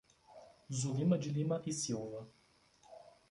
Zulima de Lima E Silva